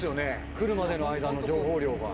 来るまでの間の情報量が。